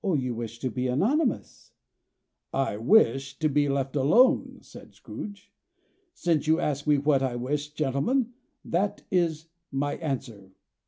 "You wish to be anonymous?" "I wish to be left alone," said Scrooge. "Since you ask me what I wish, gentlemen, that is my answer.